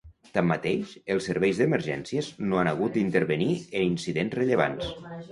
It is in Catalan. Tanmateix, els serveis d’emergències no han hagut d’intervenir en incidents rellevants.